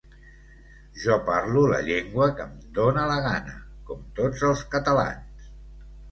Jo parlo la llengua que em dóna la gana, com tots els catalans.